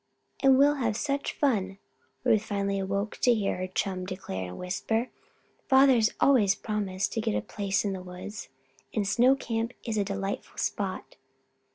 "And we'll have such fun!" Ruth finally awoke to hear her chum declare in a whisper. "Father's always promised to get a place in the woods, and Snow Camp is a delightful spot."